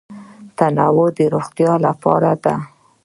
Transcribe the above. تنوع د روغتیا لپاره ده.